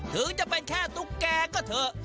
ถึงจะเป็นแค่ตุ๊กแกก็เถอะ